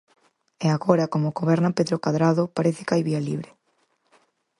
E agora, como goberna Pedro Cadrado, parece que hai vía libre.